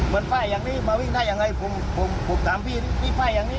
ป้ายอย่างนี้มาวิ่งได้ยังไงผมผมถามพี่พี่ป้ายอย่างนี้